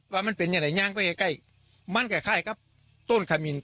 ว่ามันเป็นอย่างไรยางไปใกล้ใกล้มันกระค่ายครับต้นขามิน